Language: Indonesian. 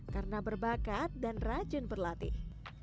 karena berbakat dan rajin berlatih